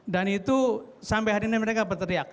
dan itu sampai hari ini mereka berteriak